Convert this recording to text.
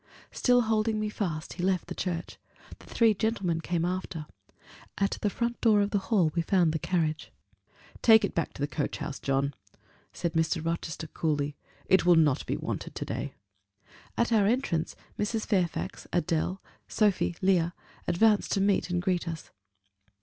Still holding me fast, he left the church: the three gentlemen came after. At the front door of the hall we found the carriage. "Take it back to the coach house, John," said Mr. Rochester, coolly: "it will not be wanted to day." At our entrance, Mrs. Fairfax, Adèle, Sophie, Leah, advanced to meet and greet us.